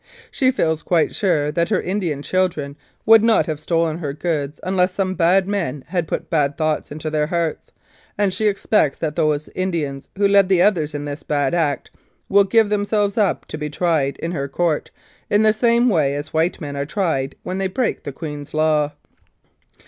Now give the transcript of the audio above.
She feels quite sure that her Indian children would not have stolen her goods unless some bad men had put bad thoughts into their hearts, and she expects that those Indians who led the others in this bad act will give themselves up to be tried in her Court in the same way as white men are tried when they break the Queen's law."